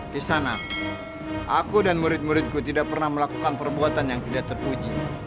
di sana aku dan murid muridku tidak pernah melakukan perbuatan yang tidak terpuji